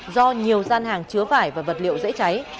do nhiều gian hàng chứa vải và vật liệu dễ cháy